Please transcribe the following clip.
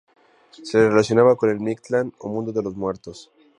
Se le relacionaba con el Mictlán o mundo de los muertos.